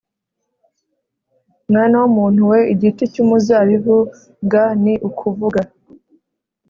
mwana w umuntu we igiti cy umuzabibu g ni ukuvuga